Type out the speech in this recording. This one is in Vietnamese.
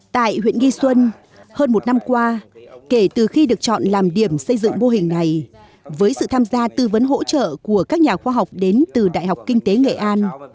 tại huyện nghi xuân hơn một năm qua kể từ khi được chọn làm điểm xây dựng mô hình này với sự tham gia tư vấn hỗ trợ của các nhà khoa học đến từ đại học kinh tế nghệ an